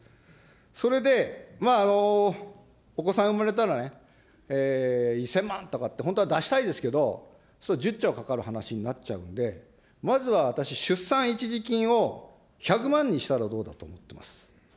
それで、お子さん産まれたらね、１０００万とかって、本当は出したいですけど、それ、１０兆かかる話になっちゃうんで、まずは私、出産一時金を１００万にしたらどうだと思っています。